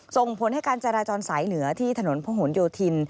ส่งผลให้การจราจรสายเหนือที่ถนนพระหลโยธิน